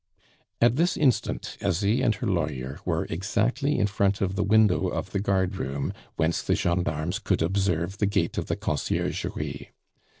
At this instant Asie and her lawyer were exactly in front of the window of the guardroom whence the gendarmes could observe the gate of the Conciergerie.